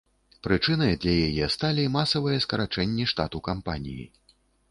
Прычынай для яе сталі масавыя скарачэнні штату кампаніі.